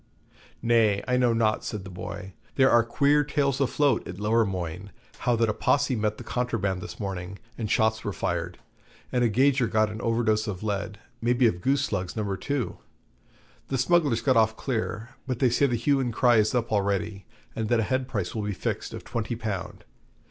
'Nay, I know not,' says the boy; 'there are queer tales afloat at Lowermoigne, how that a Posse met the Contraband this morning, and shots were fired, and a gauger got an overdose of lead maybe of goose slugs No. 2. The smugglers got off clear, but they say the hue and cry is up already, and that a head price will be fixed of twenty pound.